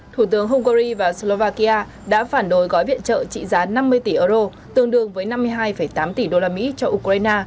thủ tướng hungary và slovakia đã phản đối gói viện trợ trị giá năm mươi tỷ euro tương đương với năm mươi hai tám tỷ usd cho ukraine